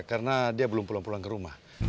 karena dia belum pulang pulang ke rumah